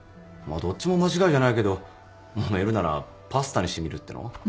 まあどっちも間違いじゃないけどもめるなら「パスタ」にしてみるってのは？